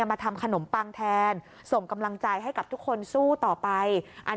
มาทำขนมปังแทนส่งกำลังใจให้กับทุกคนสู้ต่อไปอัน